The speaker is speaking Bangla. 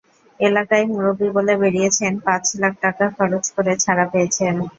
এলাকায় মুরব্বি বলে বেড়িয়েছেন, পাঁচ লাখ টাকা খরচ করে ছাড়া পেয়েছেন।